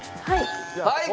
はい。